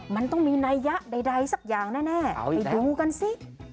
มันต้องมีนัยยะใดสักอย่างแน่ไปดูกันสิ